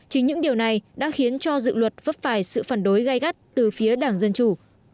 chính những điều này đã khiến cho dự luật vấp phải sự phản đối gai gắt từ phía đảng dân chủ